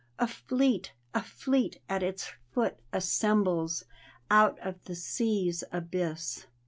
A fleet, a fleet at its foot assembles Qut of the sea's abyss.